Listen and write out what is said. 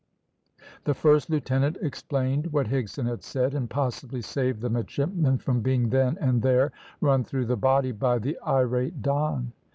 The first lieutenant explained what Higson had said, and possibly saved the midshipman from being then and there run through the body by the irate Don.